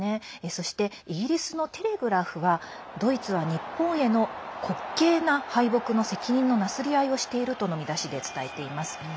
そしてイギリスのテレグラフはドイツは日本へのこっけいな敗北の責任のなすり合いをしているとの見出しで伝えています。